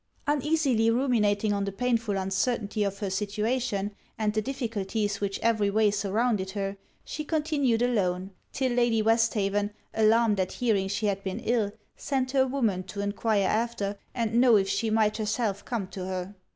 Uneasily ruminating on the painful uncertainty of her situation and the difficulties which every way surrounded her, she continued alone; till Lady Westhaven, alarmed at hearing she had been ill, sent her woman to enquire after and know if she might herself come to her?